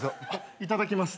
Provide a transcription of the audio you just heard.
いただきます。